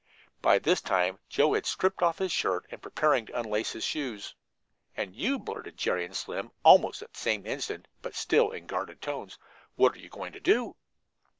By this time Joe had stripped off his shirt and preparing to unlace his shoes. "And you," blurted Jerry and Slim, almost at the same instant, but still in guarded tones, "what are you going to do?"